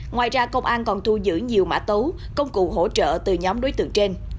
ngoài ra công an còn thu giữ nhiều mã tấu công cụ hỗ trợ từ nhóm đối tượng trên